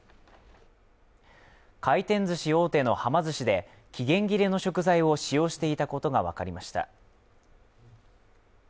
回転ずし大手のはま寿司で期限切れの食材を使用していたことが分かりました。